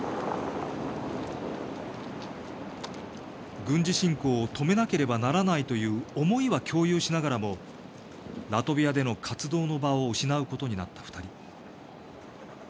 軍事侵攻を止めなければならないという思いは共有しながらもラトビアでの活動の場を失うことになった２人。